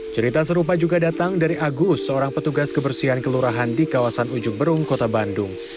cerita serupa juga datang dari agus seorang petugas kebersihan kelurahan di kawasan ujung berung kota bandung